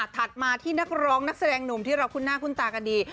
มาที่นักร้องนักแสดงหนุ่มที่เราคุ้นหน้าคุ้นตากันดี